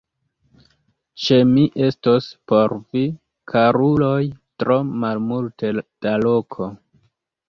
Ĉe mi estos por vi, karuloj, tro malmulte da loko!